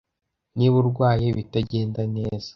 Niba urwaye ibitagenda neza